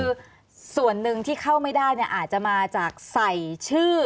คือส่วนหนึ่งที่เข้าไม่ได้เนี่ยอาจจะมาจากใส่ชื่อ